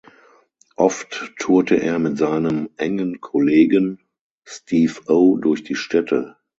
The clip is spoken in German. Oft tourte er mit seinem engen Kollegen Steve-O durch die Städte.